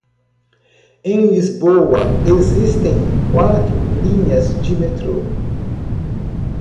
Em Lisboa, existem quatro linhas de metro.